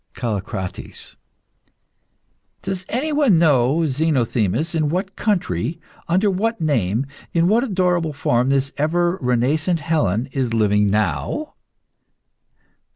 CALLICRATES. Does anyone know, Zenothemis in what country, under what name, in what adorable form, this ever renascent Helen is living now?